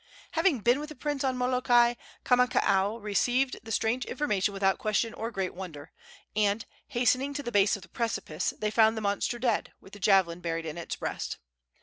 Having been with the prince on Molokai, Kamakaua received the strange information without question or great wonder, and, hastening to the base of the precipice, they found the monster dead, with the javelin buried in its breast.